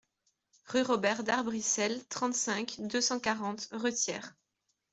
Rue Robert D'Arbrissel, trente-cinq, deux cent quarante Retiers